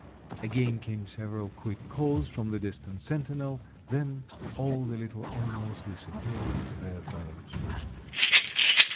Again came several quick calls from the distant sentinel; then all the little animals disappeared into their burrows.